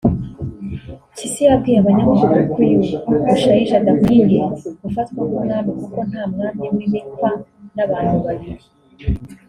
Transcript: Mpyisi yabwiye abanyamakuru ko uyu Bushayija adakwiye gufatwa nk’umwami kuko nta mwami wimikwa n’abantu babiri